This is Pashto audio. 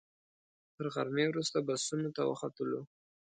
تر غرمې وروسته بسونو ته وختلو.